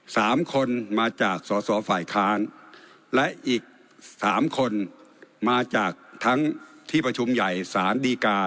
สามคนมาจากสอสอฝ่ายค้านและอีกสามคนมาจากทั้งที่ประชุมใหญ่ศาลดีกา